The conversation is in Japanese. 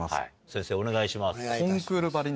先生お願いします。